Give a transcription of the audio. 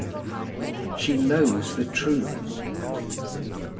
SHE KNOWS THE TRUTH.